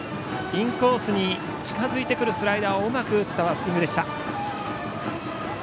インコースに近づいてくるスライダーをうまく打ったバッティングでした。